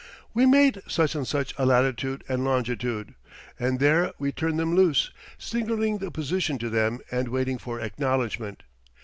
We made such and such a latitude and longitude, and there we turned them loose, signalling the position to them and waiting for acknowledgment.